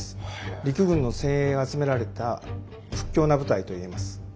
陸軍の精鋭が集められた屈強な部隊と言えます。